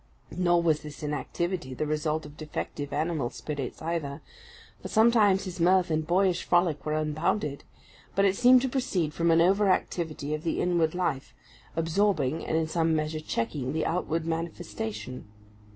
Nor was this inactivity the result of defective animal spirits either, for sometimes his mirth and boyish frolic were unbounded; but it seemed to proceed from an over activity of the inward life, absorbing, and in some measure checking, the outward manifestation.